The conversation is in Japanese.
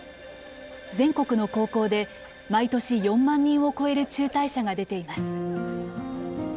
全国の高校で毎年４万人を超える中退者が出ています。